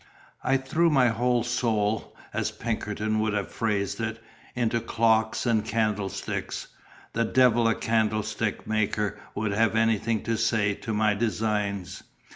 I threw my whole soul (as Pinkerton would have phrased it) into clocks and candlesticks; the devil a candlestick maker would have anything to say to my designs.